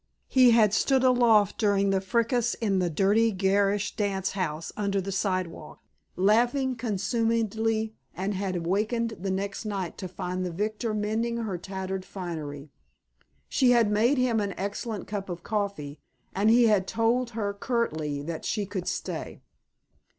He had stood aloof during the fracas in the dirty garish dance house under the sidewalk, laughing consumedly; and had awakened the next night to find the victor mending her tattered finery. She made him an excellent cup of coffee, and he had told her curtly that she could stay.